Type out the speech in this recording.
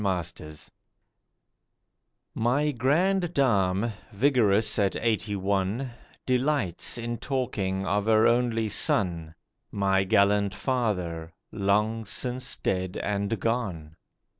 FATHER AND SON MY grand dame, vigorous at eighty one, Delights in talking of her only son, My gallant father, long since dead and gone.